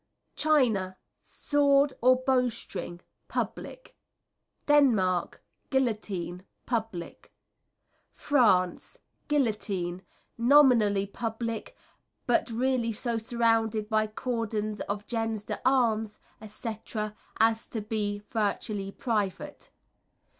China Sword or bow string, public. Denmark Guillotine, public. France Guillotine, nominally public; but really so surrounded by cordons of gens d'armes, &c., as to be virtually private.